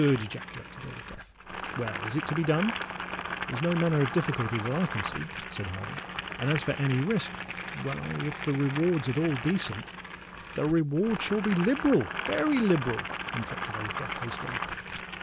ejaculated Old Death. "Well—is it to be done?" "There's no manner of difficulty that I can see," said Harding; "and as for any risk—why if the reward's at all decent——" "The reward shall be liberal—very liberal," interrupted Old Death hastily.